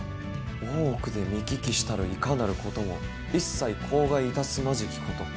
大奥で見聞きしたるいかなることも一切口外いたすまじきこと。